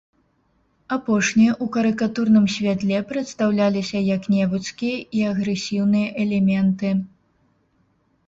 Апошнія ў карыкатурным святле прадстаўляліся як невуцкія і агрэсіўныя элементы.